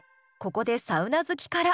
ここでサウナ好きから。